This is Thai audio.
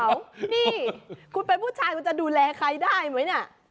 นี่คุณเป็นผู้ชายคุณจะดูแลใครได้ไหมเนี่ย